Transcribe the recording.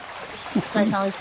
お疲れさまです。